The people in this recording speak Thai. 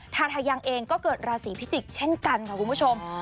ทาทายังเองก็เกิดราศีพิจิกษ์เช่นกันค่ะคุณผู้ชม